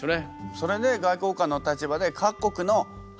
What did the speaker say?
それで外交官の立場で各国の話を集めたと。